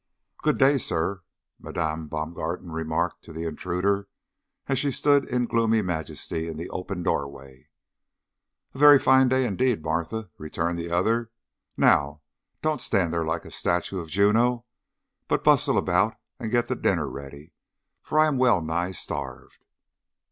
"Good day, sir," Madame Baumgarten remarked to the intruder, as she stood in gloomy majesty in the open doorway. "A very fine day indeed, Martha," returned the other. "Now, don't stand there like a statue of Juno, but bustle about and get the dinner ready, for I am well nigh starved."